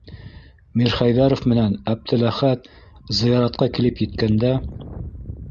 Мирхәйҙәров менән Әптеләхәт зыяратка килеп еткәндә